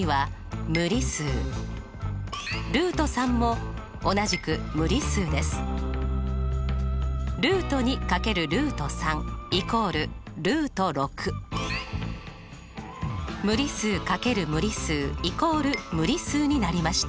はも同じく無理数×無理数＝無理数になりました。